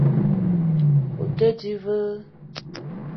O te di ve?